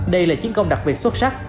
đây là chiến công đặc biệt xuất sắc